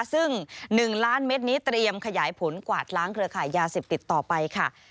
ซึ่ง๑ล้านเม็ดนี้เตรียมขยายผลกวาดล้างเครือขายยาเสพติดต่อไปค่ะ